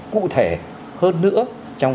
cụ thể hơn nữa trong